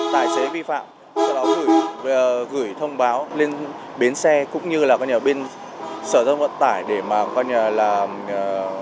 tài xế vi phạm sau đó gửi thông báo lên bến xe cũng như là bên sở giao thông vận tải